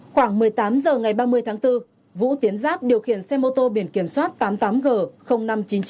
khoảng một mươi tám h ngày ba mươi tháng bốn vũ tiến giáp điều khiển xe mô tô biển kiểm soát tám mươi tám g năm trăm chín mươi chín